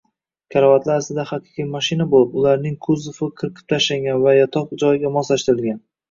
Karavotlar aslida haqiqiy mashina bo‘lib, ularning kuzovi qirqib tashlangan va yotoq joyiga moslashtirilgan